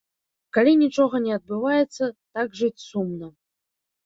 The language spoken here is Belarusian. Калі нічога не адбываецца, так жыць сумна.